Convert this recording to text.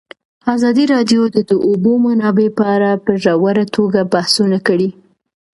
ازادي راډیو د د اوبو منابع په اړه په ژوره توګه بحثونه کړي.